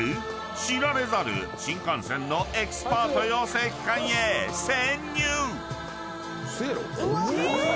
知られざる新幹線のエキスパート養成機関へ潜入。